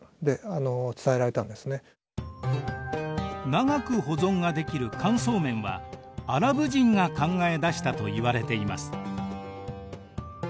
長く保存ができる乾燥麺はアラブ人が考え出したといわれています。